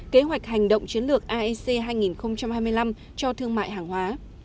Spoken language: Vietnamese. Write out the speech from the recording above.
kế hoạch hành động chiến lược aec hai nghìn hai mươi năm cho thương mại hàng hóa